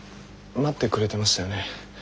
待ってくれてましたよね